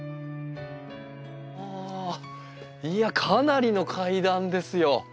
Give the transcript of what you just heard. いやかなりの階段ですよ。